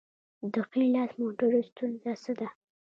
د ښي لاس موټرو ستونزه څه ده؟